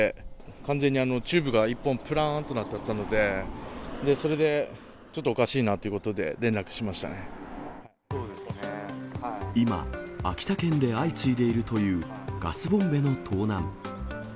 完全にチューブが１本、ぷらーんとなっとったので、それで、ちょっとおかしいなとい今、秋田県で相次いでいるというガスボンベの盗難。